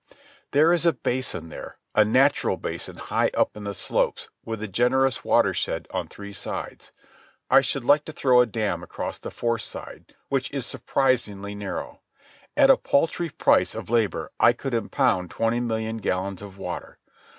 There is a basin there, a natural basin high up the slopes, with a generous watershed on three sides. I should like to throw a dam across the fourth side, which is surprisingly narrow. At a paltry price of labour I could impound twenty million gallons of water.